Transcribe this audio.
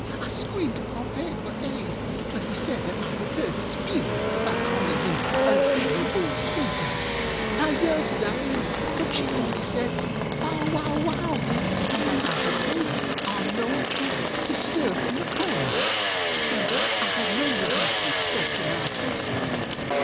I screamed to Pompey for aid; but he said that I had hurt his feelings by calling him ŌĆ£an ignorant old squint eye. ŌĆØ I yelled to Diana; but she only said ŌĆ£bow wow wow, ŌĆØ and that I had told her ŌĆ£on no account to stir from the corner. ŌĆØ Thus I had no relief to expect from my associates.